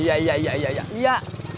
jab partir be